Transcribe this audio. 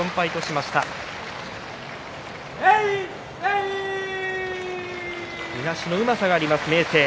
いなしのうまさがあります明生。